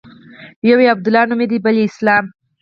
يو يې عبدالله نومېده بل يې اسلام.